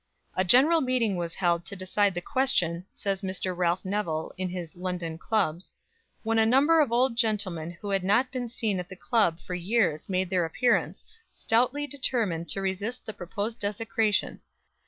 "A general meeting was held to decide the question," says Mr. Ralph Nevill, in his "London Clubs," "when a number of old gentlemen who had not been seen in the club for years made their appearance, stoutly determined to resist the proposed desecration.